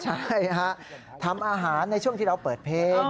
ใช่ฮะทำอาหารในช่วงที่เราเปิดเพลง